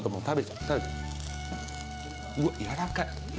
うわっ柔らかい！